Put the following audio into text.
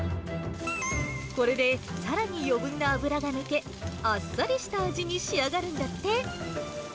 これでさらに余分な脂が抜け、あっさりした味に仕上がるんだって。